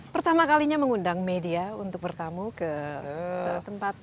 pertama kalinya mengundang media untuk bertamu ke tempat